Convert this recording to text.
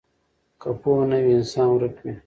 که پوهه نه وي انسان ورک وي.